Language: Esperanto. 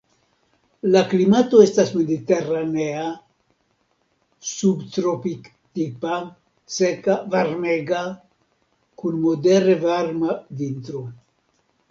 La klimato estas mediteranea, subtropik-tipa, seka, varmega, kun modere varma vintro.